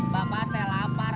bapak teh lapar